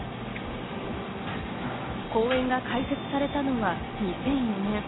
公園が開設されたのは２００４年。